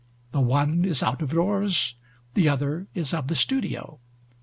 The one is out of doors, the other is of the studio.